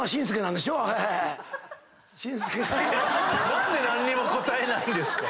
何で何にも答えないんですか